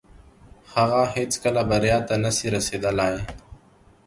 هغه هيڅکه بريا ته نسي رسيدلاي.